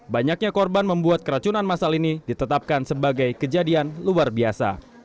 banyaknya korban membuat keracunan masal ini ditetapkan sebagai kejadian luar biasa